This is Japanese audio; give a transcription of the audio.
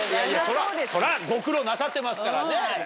そらご苦労なさってますからね。